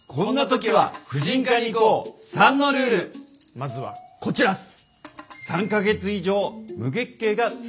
まずはこちらっす！